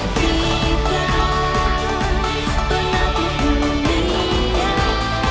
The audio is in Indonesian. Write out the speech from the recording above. kita menghadapi dunia